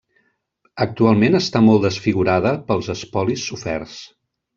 Actualment està molt desfigurada pels espolis soferts.